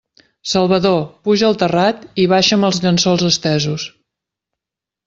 Salvador, puja al terrat i baixa'm els llençols estesos!